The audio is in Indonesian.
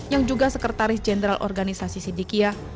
yang juga sekretaris jenderal organisasi sidikiah